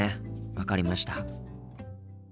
分かりました。